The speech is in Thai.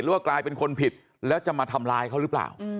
ว่ากลายเป็นคนผิดแล้วจะมาทำร้ายเขาหรือเปล่า